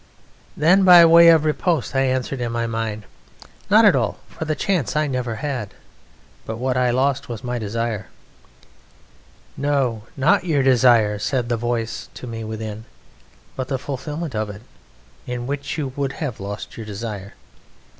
Then, by way of riposte, I answered in my mind: "Not at all, for the chance I never had, but what I lost was my desire." "No, not your desire," said the voice to me within, "but the fulfilment of it, in which you would have lost your desire."